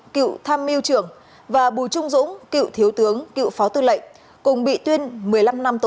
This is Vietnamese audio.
cựu tham mưu trưởng và bùi trung dũng cựu thiếu tướng cựu phó tư lệnh cùng bị tuyên một mươi năm năm tù